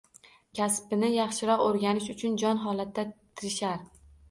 Kasbni yaxshiroq o'rganish uchun jon holatda tirishar